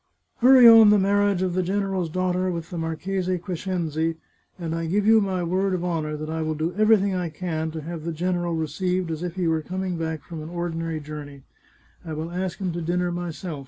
" Hurry on the marriage of the general's daughter with the Marchese Crescenzi, and I give you my word of honour that I will do everything I can to have the general received as if he were coming back from an ordinary journey. I will ask him to dinner myself.